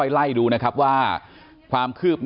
ประสงสามรูปนะคะนำสายสีขาวผูกข้อมือให้กับพ่อแม่ของน้องชมพู่